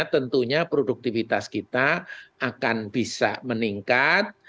tentunya produktivitas kita akan bisa meningkat